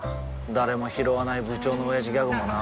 誰もひろわない部長のオヤジギャグもな